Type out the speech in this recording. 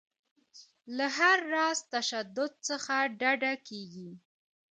له هر راز تشدد څخه ډډه کیږي.